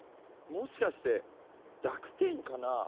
もしかして濁点かなぁ。